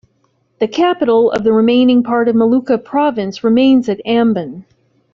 The capital of the remaining part of Maluku province remains at Ambon.